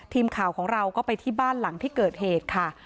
ทีมข่าวของเราก็ไปที่บ้านหลังที่เกิดเหตุค่ะ